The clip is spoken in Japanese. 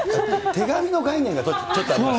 手紙の概念がちょっとありま